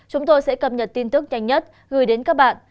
chúng tôi sẽ cập nhật tin tức nhanh nhất gửi đến các bạn